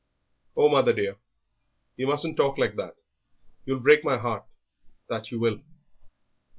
"Oh, mother, dear, yer mustn't talk like that; you'll break my heart, that you will."